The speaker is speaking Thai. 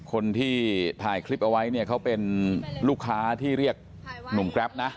คนที่ถ่ายคลิปเอาไว้เนี่ยเขาเป็นลูกค้าที่เรียกหนุ่มแกรปนะ